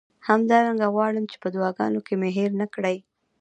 همدارنګه غواړم چې په دعاګانو کې مې هیر نه کړئ.